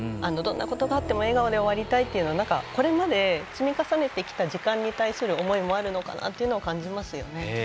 どんなことがあっても笑顔で終わりたいというのはこれまで積み重ねてきた時間に対する思いもあるのかなと感じますよね。